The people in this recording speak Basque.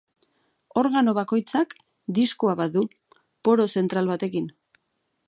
Organo bakoitzak diskoa bat du, poro zentral batekin.